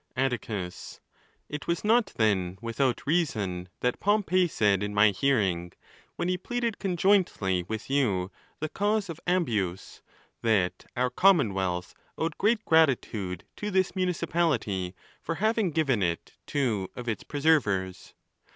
III. Atticus.—It was not, then, without reason that Pom pey said in my hearing, when he pleaded conjointly with you the cause of Ambius, that our commonwealth owed great gratitude to this municipality for having given it two of its preservers.